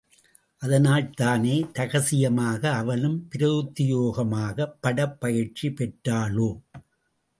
அதனால்தானே ரகசியமாக அவளும் பிரத்யேகமாக படைப்பயிற்சி பெற்றாளோ?